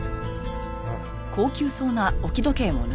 ああ。